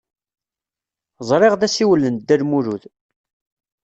Ẓriɣ d asiwel n Dda Lmulud.